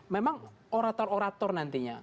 memang orator orator nantinya